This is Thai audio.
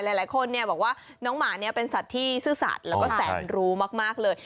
หลายคนบอกว่าน้องหมานี้เป็นสัตว์ที่ซื่อสัตว์แล้วก็แสนรู้มากเลย